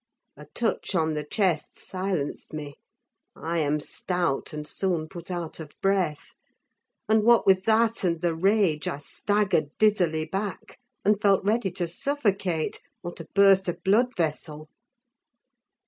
A touch on the chest silenced me: I am stout, and soon put out of breath; and, what with that and the rage, I staggered dizzily back, and felt ready to suffocate, or to burst a blood vessel.